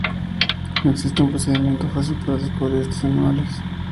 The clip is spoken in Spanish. No existe un procedimiento fácil para descubrir a estos animales.